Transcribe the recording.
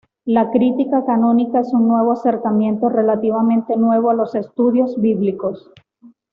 La crítica canónica es un acercamiento relativamente nuevo a los estudios bíblicos.